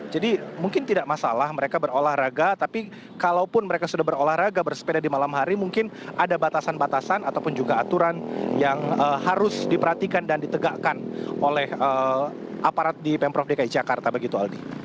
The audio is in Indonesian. jadi mungkin tidak masalah mereka berolahraga tapi kalaupun mereka sudah berolahraga bersepeda di malam hari mungkin ada batasan batasan ataupun juga aturan yang harus diperhatikan dan ditegakkan oleh aparat di pemprov dki jakarta begitu aldi